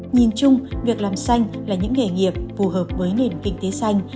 nhìn chung việc làm xanh là những nghề nghiệp phù hợp với nền kinh tế xanh